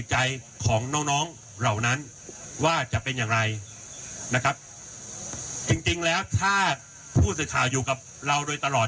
จริงแล้วถ้าผู้สื่อข่าวอยู่กับเราโดยตลอด